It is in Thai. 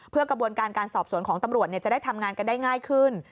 เพื่อกระบวนการการสอบสวนของตำรวจจะได้ทำงานกันได้ง่ายขึ้น